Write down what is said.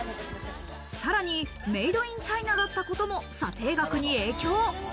さらにメイド・イン・チャイナだったことも査定額に影響。